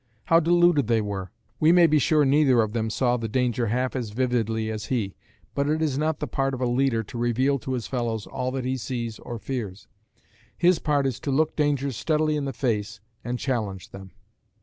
How deluded they were. We may be sure neither of them saw the danger half as vividly as he, but it is not the part of a leader to reveal to his fellows all that he sees or fears. His part is to look dangers steadily in the face and challenge them.